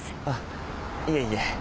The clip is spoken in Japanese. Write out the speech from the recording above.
あっいえいえ。